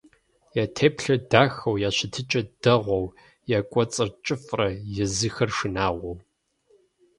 Я теплъэр дахэу, я щытыкӀэр дэгъуэу, я кӀуэцӀыр кӀыфӀрэ, езыхэр шынагъуэу.